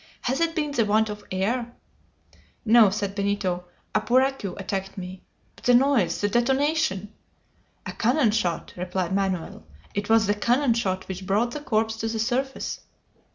"Has it been the want of air?" "No!" said Benito; "a puraque attacked me! But the noise? the detonation?" "A cannon shot!" replied Manoel. "It was the cannon shot which brought the corpse to the surface."